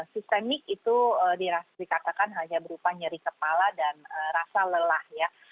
sistemik itu dikatakan hanya berupa nyeri kepala dan rasa lelah ya